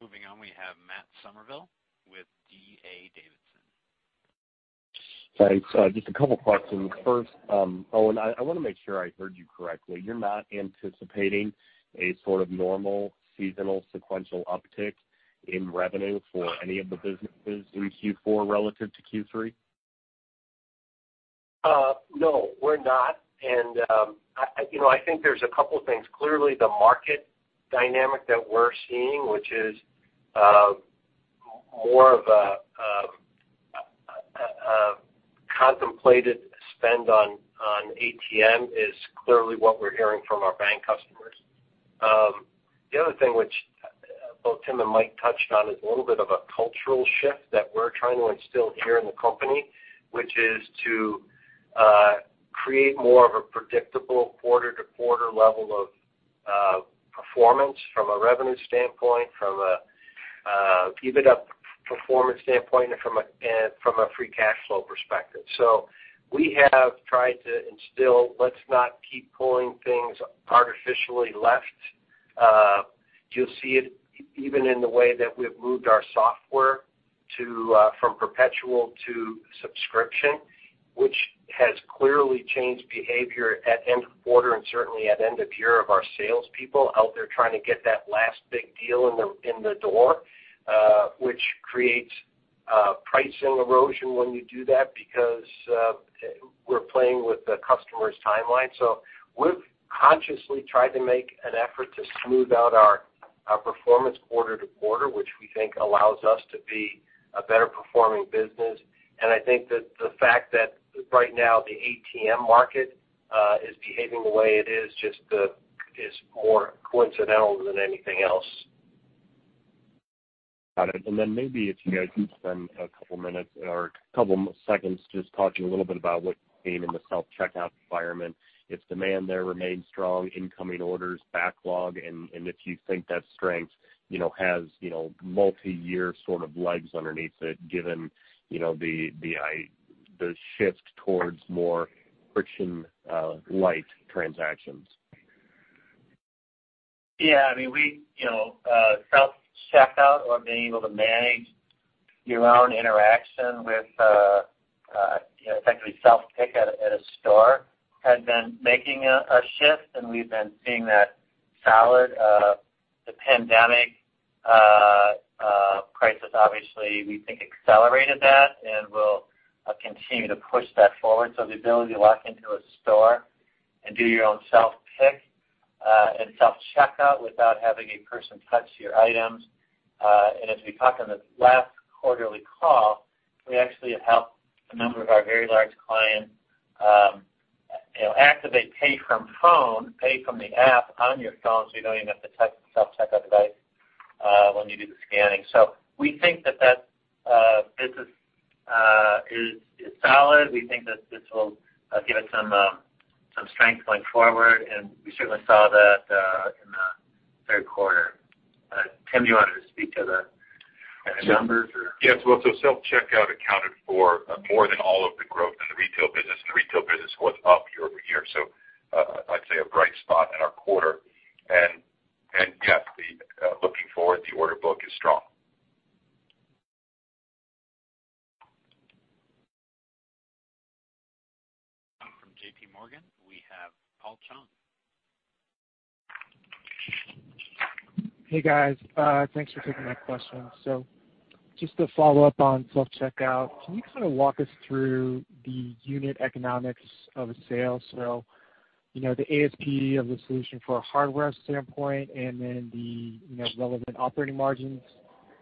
Moving on, we have Matt Summerville with D.A. Davidson. Thanks. Just a couple questions. First, Owen, I want to make sure I heard you correctly. You are not anticipating a sort of normal seasonal sequential uptick in revenue for any of the businesses in Q4 relative to Q3? No, we're not. I think there's a couple things. Clearly, the market dynamic that we're seeing, which is more of a contemplated spend on ATM is clearly what we're hearing from our bank customers. Both Tim and Mike touched on is a little bit of a cultural shift that we're trying to instill here in the company, which is to create more of a predictable quarter-to-quarter level of performance from a revenue standpoint, from an EBITDA performance standpoint, and from a free cash flow perspective. We have tried to instill, "Let's not keep pulling things artificially left." You'll see it even in the way that we've moved our software from perpetual to subscription, which has clearly changed behavior at end of quarter and certainly at end of year of our salespeople out there trying to get that last big deal in the door which creates pricing erosion when you do that, because we're playing with the customer's timeline. We've consciously tried to make an effort to smooth out our performance quarter to quarter, which we think allows us to be a better performing business. I think that the fact that right now the ATM market is behaving the way it is just is more coincidental than anything else. Got it. Maybe if you guys can spend a couple minutes or a couple seconds just talking a little bit about what's been in the self-checkout environment, if demand there remains strong, incoming orders, backlog, and if you think that strength has multi-year sort of legs underneath it, given the shift towards more friction-light transactions? Yeah. Self-checkout or being able to manage your own interaction with effectively self-pick at a store has been making a shift, and we've been seeing that solid. The pandemic crisis, obviously, we think accelerated that and will continue to push that forward. The ability to walk into a store and do your own self-pick and self-checkout without having a person touch your items. As we talked on the last quarterly call, we actually have helped a number of our very large clients activate pay from phone, pay from the app on your phone, so you don't even have to touch the self-checkout device when you do the scanning. We think that that business is solid. We think that this will give it some strength going forward, and we certainly saw that in the third quarter. Tim, do you want to speak to the numbers or? Yes. Well, self-checkout accounted for more than all of the growth in the retail business, and the retail business was up year-over-year, so I'd say a bright spot in our quarter. Yes, looking forward, the order book is strong. From JPMorgan, we have Paul Chung. Hey, guys. Thanks for taking my questions. Just to follow up on self-checkout, can you kind of walk us through the unit economics of a sale? The ASP of the solution from a hardware standpoint and then the relevant operating margins,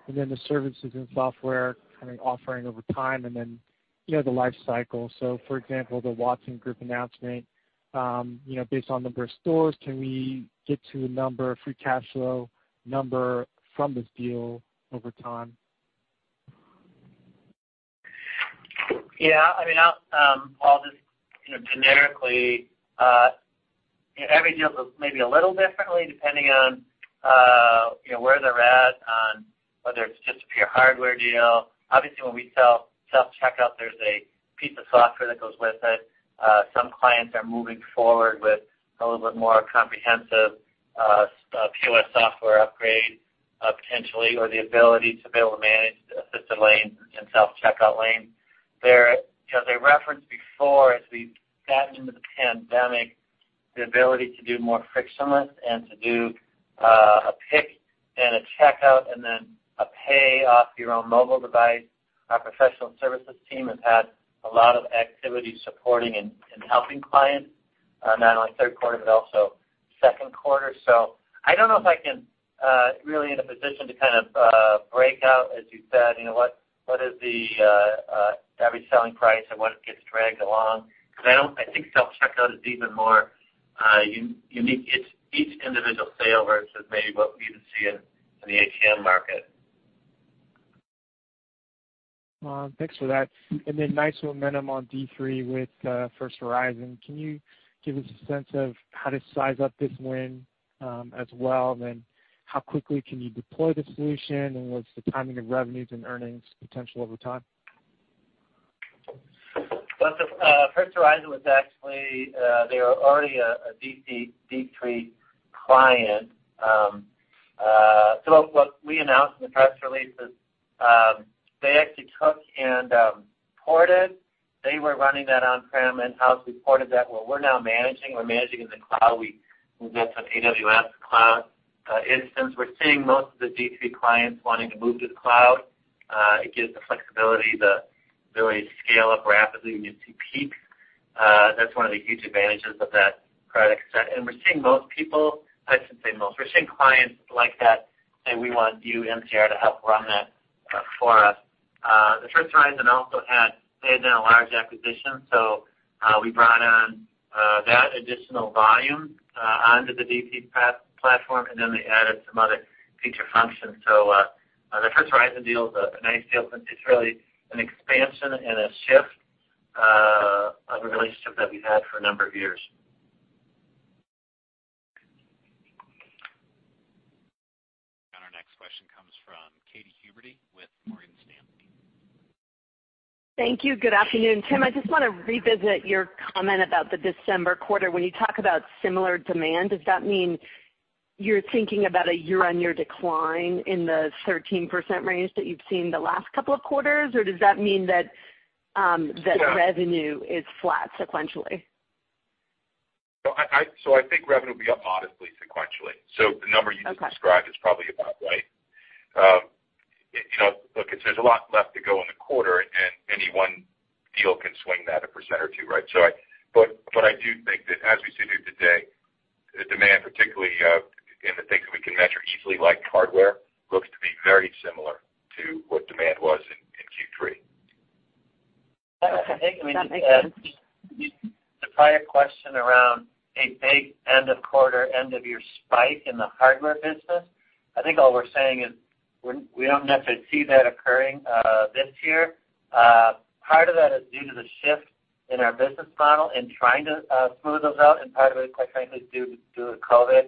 and then the services and software kind of offering over time and then the life cycle. For example, the Watson Group announcement based on number of stores, can we get to a number, a free cash flow number from this deal over time? Paul, just generically, every deal is maybe a little differently depending on where they're at, on whether it's just a pure hardware deal. When we sell self-checkout, there's a piece of software that goes with it. Some clients are moving forward with a little bit more comprehensive POS software upgrade potentially, or the ability to be able to manage the assisted lanes and self-checkout lanes. As I referenced before, as we've gotten into the pandemic, the ability to do more frictionless and to do a pick and a checkout and then a pay off your own mobile device. Our professional services team has had a lot of activity supporting and helping clients, not only third quarter, but also second quarter. I don't know if I can really in a position to kind of break out, as you said, what is the average selling price and what gets dragged along, because I think self-checkout is even more unique. It's each individual sale versus maybe what we even see in the ATM market. Thanks for that. Nice momentum on D3 with First Horizon. Can you give us a sense of how to size up this win as well, and how quickly can you deploy the solution, and what's the timing of revenues and earnings potential over time? First Horizon was actually they were already a D3 client. What we announced in the press release is they actually took and ported. They were running that on-prem in-house. We ported that where we're now managing. We're managing in the cloud. We moved that to an AWS cloud instance. We're seeing most of the D3 clients wanting to move to the cloud. It gives the flexibility to really scale up rapidly when you see peaks. That's one of the huge advantages of that product set. We're seeing most people, I shouldn't say most, we're seeing clients like that say, "We want you, NCR, to help run that for us." First Horizon also had made now a large acquisition, we brought on that additional volume onto the D3 platform, then they added some other feature functions. The First Horizon deal is a nice deal because it's really an expansion and a shift of a relationship that we've had for a number of years. Our next question comes from Katy Huberty with Morgan Stanley. Thank you. Good afternoon. Tim, I just want to revisit your comment about the December quarter. You talk about similar demand, does that mean you're thinking about a year-on-year decline in the 13% range that you've seen the last couple of quarters? Yeah revenue is flat sequentially? I think revenue will be up modestly sequentially. Okay described is probably about right. Look, there's a lot left to go in the quarter, any one deal can swing that a percentage or two, right? I do think that as we sit here today, the demand, particularly in the things that we can measure easily, like hardware, looks to be very similar to what demand was in Q3. Okay. That makes sense. The prior question around a big end of quarter, end of year spike in the hardware business, I think all we're saying is we don't necessarily see that occurring this year. Part of that is due to the shift in our business model and trying to smooth those out, and part of it is quite frankly, due to COVID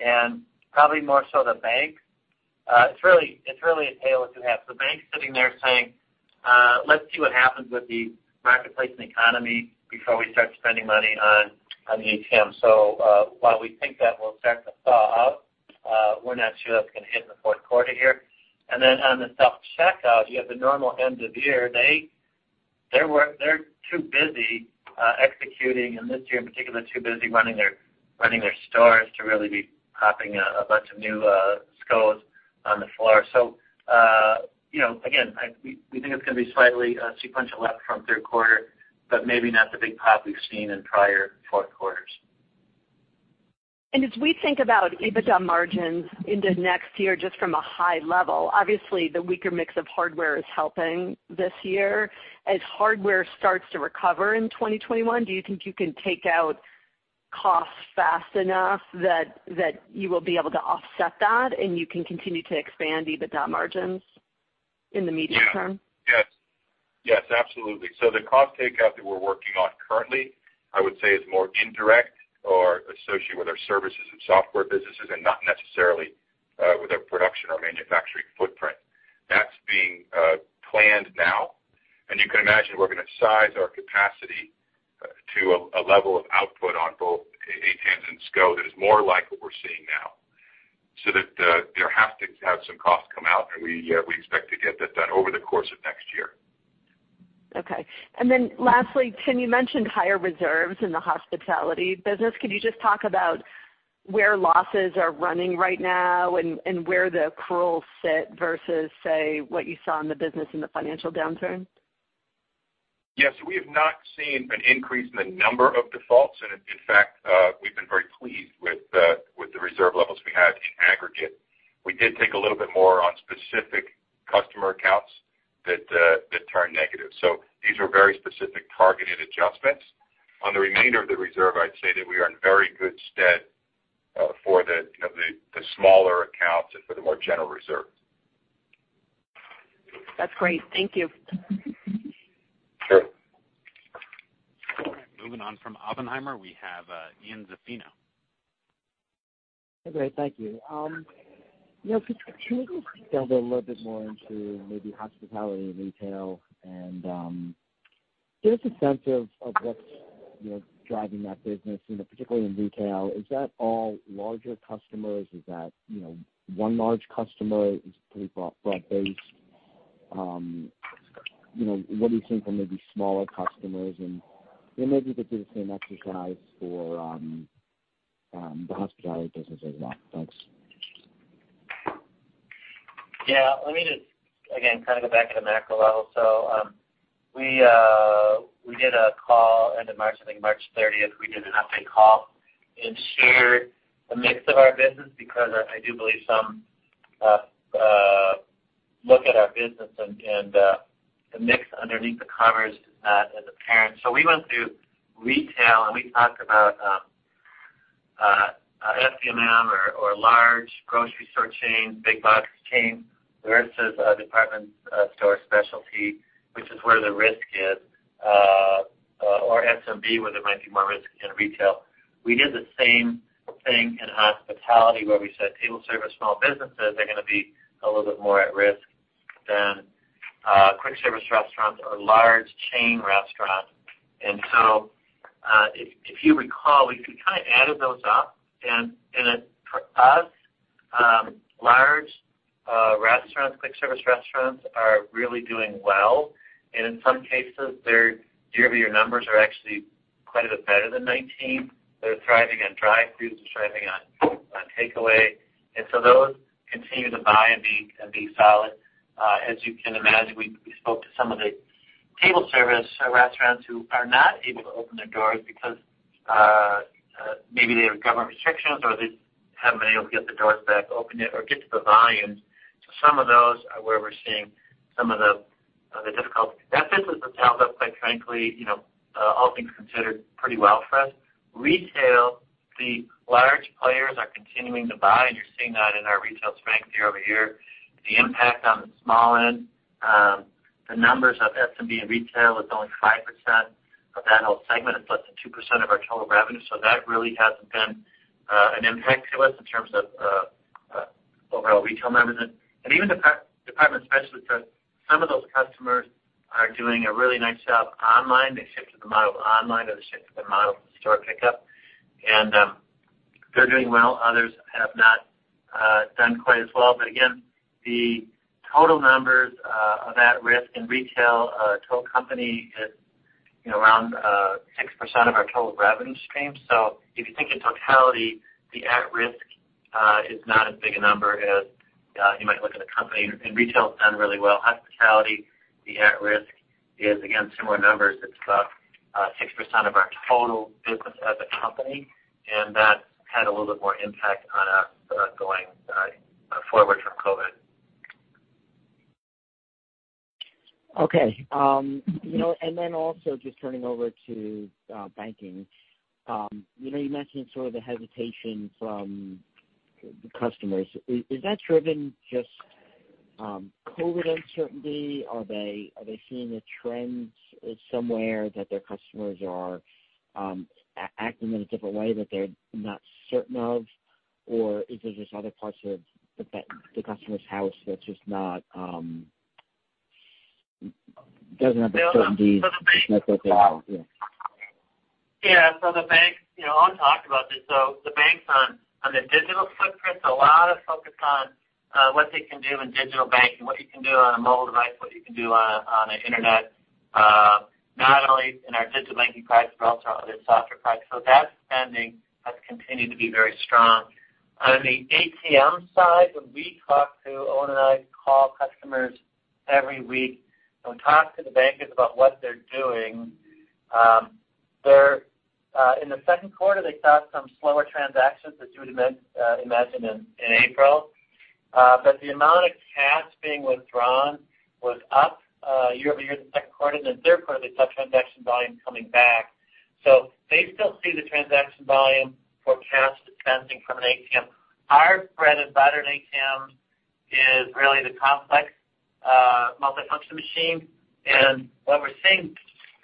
and probably more so the banks. It's really a tale of two halves. The banks sitting there saying, "Let's see what happens with the marketplace and the economy before we start spending money on the ATM." While we think that will start to thaw out, we're not sure that's going to hit in the fourth quarter here. On the self-checkout, you have the normal end of year. They're too busy executing, and this year in particular, too busy running their stores to really be popping a bunch of new SKUs on the floor. Again, we think it's going to be slightly sequential left from third quarter, but maybe not the big pop we've seen in prior fourth quarters. As we think about EBITDA margins into next year, just from a high level, obviously the weaker mix of hardware is helping this year. As hardware starts to recover in 2021, do you think you can take out costs fast enough that you will be able to offset that and you can continue to expand EBITDA margins in the medium term? Yes. Absolutely. The cost takeout that we're working on currently, I would say, is more indirect or associated with our services and software businesses, and not necessarily with our production or manufacturing footprint. That's being planned now, and you can imagine we're going to size our capacity to a level of output on both ATMs and SKUs that is more like what we're seeing now, so that there have to have some costs come out, and we expect to get that done over the course of next year. Lastly, Tim, you mentioned higher reserves in the hospitality business. Could you just talk about where losses are running right now and where the accruals sit versus, say, what you saw in the business in the financial downturn? Yes, we have not seen an increase in the number of defaults, and in fact, we've been very pleased with the reserve levels we have in aggregate. We did take a little bit more on specific customer accounts that turned negative, so these were very specific targeted adjustments. On the remainder of the reserve, I'd say that we are in very good stead for the smaller accounts and for the more general reserve. That's great. Thank you. Sure. All right. Moving on from Oppenheimer, we have Ian Zaffino. Great. Thank you. Can you go detail a little bit more into maybe hospitality and retail and give us a sense of what's driving that business, particularly in retail? Is that all larger customers? Is that one large customer? Is it pretty broad-based? What do you think are maybe smaller customers? Maybe you could do the same exercise for the hospitality business as well. Thanks. Yeah. Let me just, again, kind of go back to the macro level. We did a call end of March, I think March 30th. We did an update call and shared the mix of our business because I do believe some look at our business and the mix underneath the commerce is not as apparent. We went through retail and we talked about FDMM or large grocery store chain, big box chain versus department store specialty, which is where the risk is, or SMB, where there might be more risk in retail. We did the same thing in hospitality, where we said table service small businesses are going to be a little bit more at risk than quick service restaurants or large chain restaurants. If you recall, we kind of added those up, and for us, large restaurants, quick service restaurants are really doing well, and in some cases, their year-over-year numbers are actually quite a bit better than 2019. They're thriving on drive-throughs, they're thriving on takeaway. Those continue to buy and be solid. As you can imagine, we spoke to some of Table service restaurants who are not able to open their doors because maybe they have government restrictions, or they haven't been able to get the doors back open yet or get to the volumes. Some of those are where we're seeing some of the difficulty. That business has held up, quite frankly, all things considered, pretty well for us. Retail, the large players are continuing to buy, and you're seeing that in our retail strength year-over-year. The impact on the small end, the numbers of SMB and retail is only 5% of that whole segment. It's less than 2% of our total revenue. That really hasn't been an impact to us in terms of overall retail revenues. Even the department specialists, some of those customers are doing a really nice job online. They shifted their model to online, or they shifted their model to store pickup, and they're doing well. Others have not done quite as well. Again, the total numbers of at-risk in retail, total company is around 6% of our total revenue stream. If you think in totality, the at-risk is not as big a number as you might look at a company. Retail's done really well. Hospitality, the at-risk is, again, similar numbers. It's about 6% of our total business as a company, and that's had a little bit more impact on us going forward from COVID. Okay. Also just turning over to banking. You mentioned sort of the hesitation from the customers. Is that driven just COVID uncertainty? Are they seeing the trends somewhere that their customers are acting in a different way that they're not certain of? Is there just other parts of the customer's house that's just not. Bill, the banks. doesn't have the certainty that's necessary? Yeah. The banks, Owen talked about this. The banks on the digital footprint, a lot of focus on what they can do in Digital Banking, what you can do on a mobile device, what you can do on the internet, not only in our Digital Banking products, but also on the software products. That spending has continued to be very strong. On the ATM side, Owen and I call customers every week and talk to the bankers about what they're doing. In the second quarter, they saw some slower transactions as you would imagine in April. The amount of cash being withdrawn was up year-over-year in the second quarter. In the third quarter, they saw transaction volume coming back. They still see the transaction volume for cash dispensing from an ATM. Our bread and butter in ATMs is really the complex multifunction machine. What we're seeing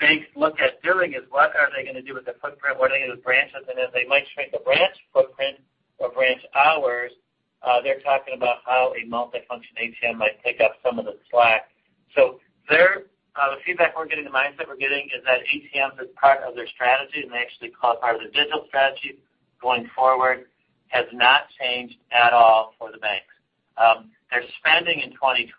banks look at doing is what are they going to do with the footprint? What are they going to do with branches? As they might shrink a branch footprint or branch hours, they're talking about how a multifunction ATM might pick up some of the slack. The feedback we're getting, the mindset we're getting is that ATMs is part of their strategy, and they actually call it part of their digital strategy going forward, has not changed at all for the banks. Their spending in 2020,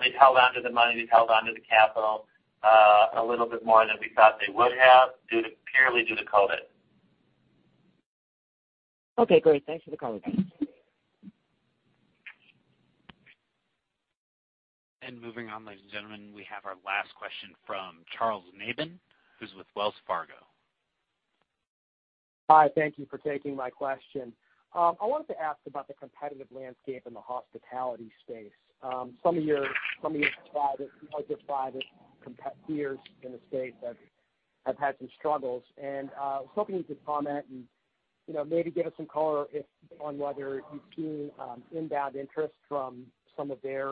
they've held onto the money, they've held onto the capital a little bit more than we thought they would have purely due to COVID. Okay, great. Thanks for the color. Moving on, ladies and gentlemen, we have our last question from Charles Nabhan, who's with Wells Fargo. Hi. Thank you for taking my question. I wanted to ask about the competitive landscape in the hospitality space. Some of your private competitors in the space have had some struggles, and I was hoping you could comment and maybe give us some color on whether you've seen inbound interest from some of their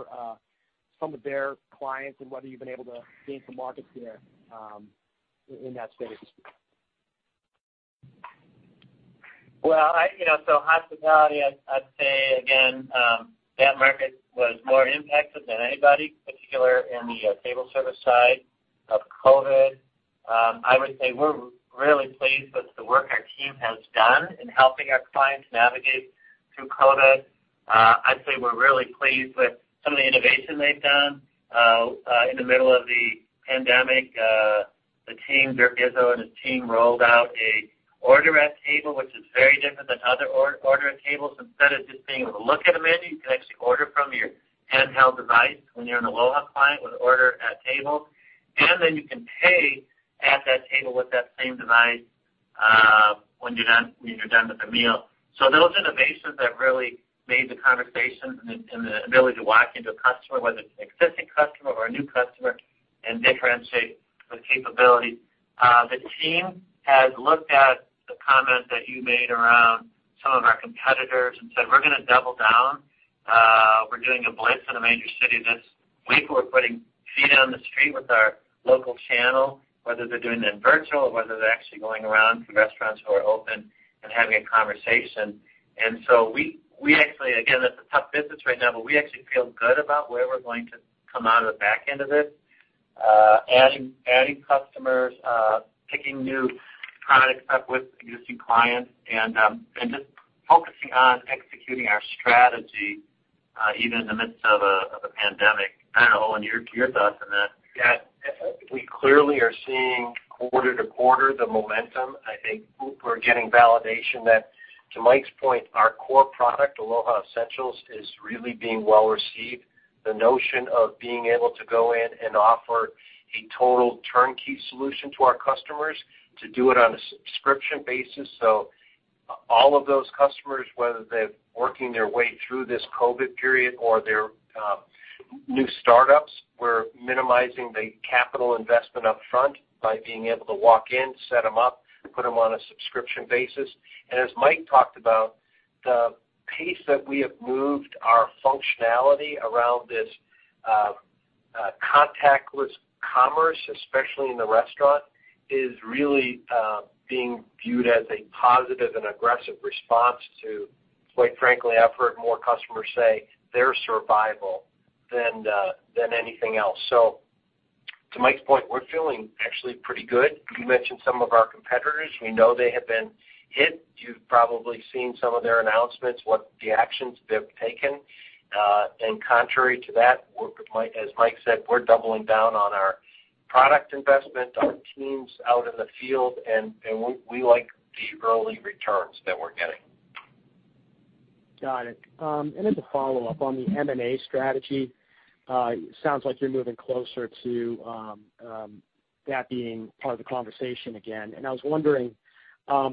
clients, and whether you've been able to gain some market share in that space. Hospitality, I'd say again, that market was more impacted than anybody, particularly in the table service side of COVID-19. I would say we're really pleased with the work our team has done in helping our clients navigate through COVID-19. I'd say we're really pleased with some of the innovation they've done in the middle of the pandemic. Izzo and his team rolled out a Order at Table, which is very different than other order at tables. Instead of just being able to look at a menu, you can actually order from your handheld device when you're an Aloha client with Order at Table, and then you can pay at that table with that same device when you're done with the meal. Those are the innovations that really made the conversations and the ability to walk into a customer, whether it's an existing customer or a new customer, and differentiate the capability. The team has looked at the comment that you made around some of our competitors and said, "We're going to double down." We're doing a blitz in a major city this week. We're putting feet on the street with our local channel, whether they're doing it in virtual or whether they're actually going around to restaurants who are open and having a conversation. We actually, again, it's a tough business right now, but we actually feel good about where we're going to come out of the back end of this. Adding customers, picking new products up with existing clients, and just focusing on executing our strategy even in the midst of a pandemic. I don't know, Owen, your thoughts on that. Yeah. I think we clearly are seeing quarter to quarter the momentum. I think we're getting validation that. To Mike's point, our core product, Aloha Essentials, is really being well-received. The notion of being able to go in and offer a total turnkey solution to our customers, to do it on a subscription basis. All of those customers, whether they're working their way through this COVID period or they're new startups, we're minimizing the capital investment upfront by being able to walk in, set them up, put them on a subscription basis. As Mike talked about, the pace that we have moved our functionality around this contactless commerce, especially in the restaurant, is really being viewed as a positive and aggressive response to, quite frankly, I've heard more customers say, their survival than anything else. To Mike's point, we're feeling actually pretty good. You mentioned some of our competitors. We know they have been hit. You've probably seen some of their announcements, what the actions they've taken. Contrary to that, as Mike said, we're doubling down on our product investment, our teams out in the field, and we like the early returns that we're getting. Got it. As a follow-up, on the M&A strategy, sounds like you're moving closer to that being part of the conversation again. I was wondering, are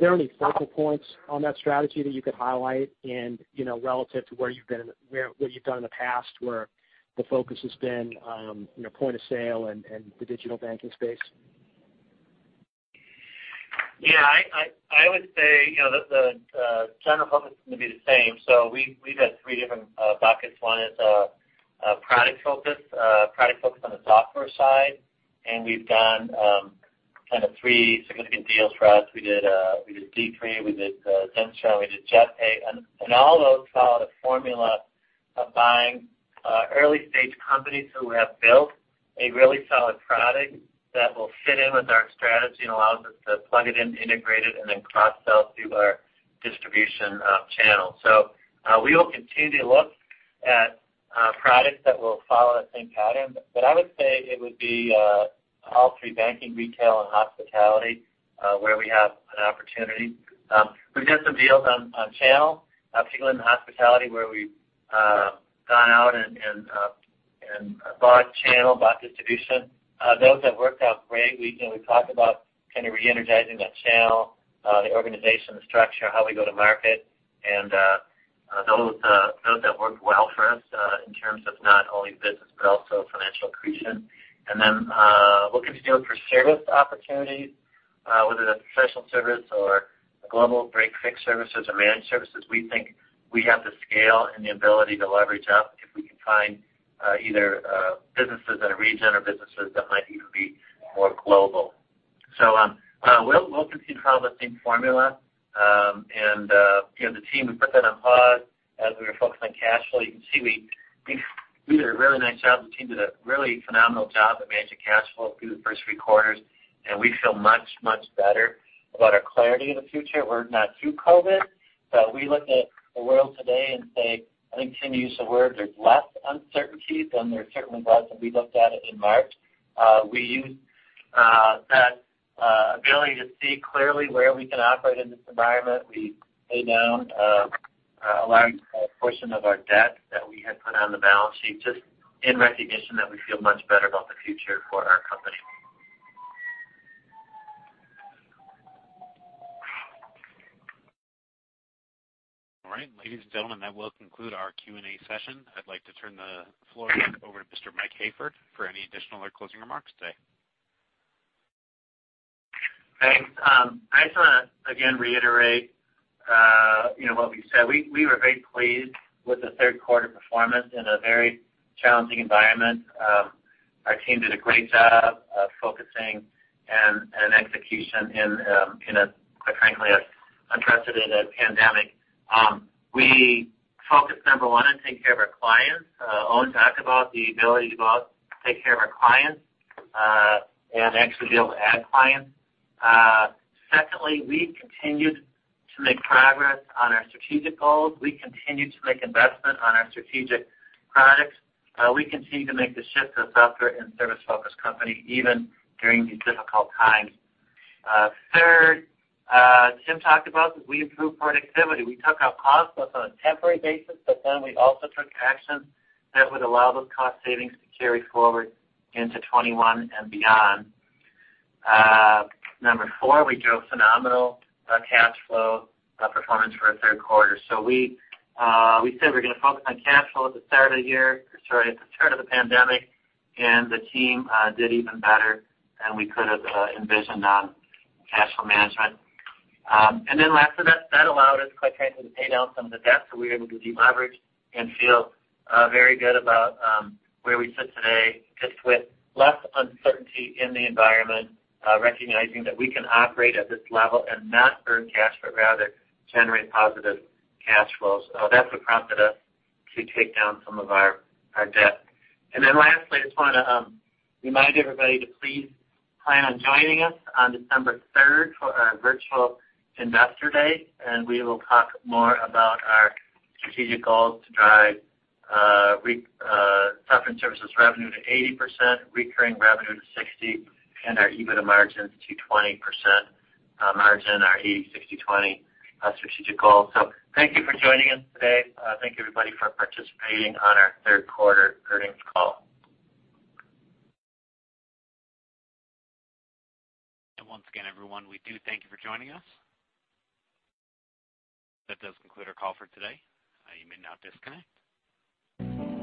there any focal points on that strategy that you could highlight in relative to what you've done in the past, where the focus has been point-of-sale and the Digital Banking space? I would say the general focus is going to be the same. We've had three different buckets. One is a product focus on the software side, we've done kind of three significant deals for us. We did D3, we did Zynstra, we did JetPay. All those follow the formula of buying early-stage companies who have built a really solid product that will fit in with our strategy and allows us to plug it in, integrate it, and then cross-sell through our distribution channel. We will continue to look at products that will follow that same pattern. I would say it would be all three, banking, retail, and hospitality, where we have an opportunity. We've done some deals on channel, particularly in the hospitality, where we've gone out and bought channel, bought distribution. Those have worked out great. We talk about kind of reenergizing that channel, the organization, the structure, how we go to market. Those have worked well for us in terms of not only business but also financial accretion. Looking to do it for service opportunities, whether that's professional service or global break-fix services or managed services. We think we have the scale and the ability to leverage up if we can find either businesses in a region or businesses that might even be more global. We'll continue to follow the same formula. The team had put that on pause as we were focused on cash flow. You can see, we did a really nice job. The team did a really phenomenal job of managing cash flow through the first three quarters, and we feel much, much better about our clarity in the future. We're not through COVID. We look at the world today and say, I think Tim used the word, there's less uncertainty than there certainly was when we looked at it in March. We used that ability to see clearly where we can operate in this environment. We paid down a large portion of our debt that we had put on the balance sheet, just in recognition that we feel much better about the future for our company. All right. Ladies and gentlemen, that will conclude our Q&A session. I'd like to turn the floor back over to Mr. Mike Hayford for any additional or closing remarks today. Thanks. I just want to, again, reiterate what we said. We were very pleased with the third quarter performance in a very challenging environment. Our team did a great job of focusing and execution in a, quite frankly, unprecedented pandemic. We focused, number one, on taking care of our clients. Owen talked about the ability to both take care of our clients and actually be able to add clients. We continued to make progress on our strategic goals. We continued to make investment on our strategic products. We continued to make the shift to a software and service-focused company, even during these difficult times. Tim talked about that we improved productivity. We took out costs, both on a temporary basis, but then we also took action that would allow those cost savings to carry forward into 2021 and beyond. Number four, we drove phenomenal cash flow performance for the third quarter. We said we're going to focus on cash flow at the start of the year, or sorry, at the start of the pandemic, and the team did even better than we could have envisioned on cash flow management. Lastly, that allowed us, quite frankly, to pay down some of the debt. We were able to deleverage and feel very good about where we sit today, just with less uncertainty in the environment, recognizing that we can operate at this level and not burn cash, but rather generate positive cash flows. That's what prompted us to take down some of our debt. Lastly, I just want to remind everybody to please plan on joining us on December third for our virtual Investor Day, we will talk more about our strategic goals to drive software and services revenue to 80%, recurring revenue to 60%, and our EBITDA margins to 20% margin, our 80/60/20 Strategic Goal. Thank you for joining us today. Thank you, everybody, for participating on our third quarter earnings call. Once again, everyone, we do thank you for joining us. That does conclude our call for today. You may now disconnect.